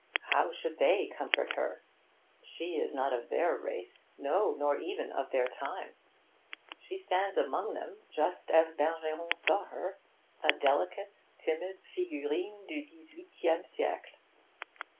How should they comfort her? She is not of their race; no! nor even of their time. She stands among them, just as Bergeron saw her, a delicate, timid figurine du dix huitie'me sie'cle.